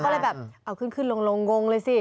เขาก็เลยแบบเอาขึ้นลงลงเลยสิ